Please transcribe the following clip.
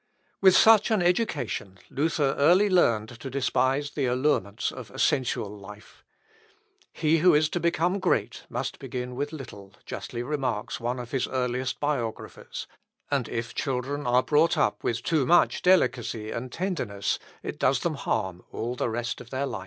With such an education, Luther early learned to despise the allurements of a sensual life. "He who is to become great must begin with little," justly remarks one of his earliest biographers; "and if children are brought up with too much delicacy and tenderness, it does them harm all the rest of their life."